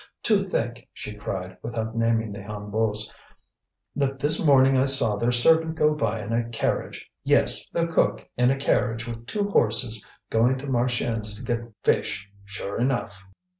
"To think," she cried, without naming the Hennebeaus, "that this morning I saw their servant go by in a carriage! Yes, the cook in a carriage with two horses, going to Marchiennes to get fish, sure enough!"